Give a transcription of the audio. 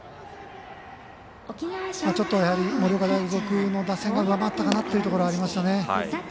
ちょっと盛岡大付属の打線が上回ったかなというのはありました。